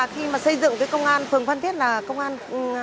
khi mà xây dựng cái công an phường phan thiết là công an